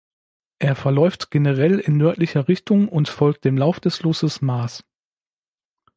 Er verläuft generell in nördlicher Richtung und folgt dem Lauf des Flusses Maas.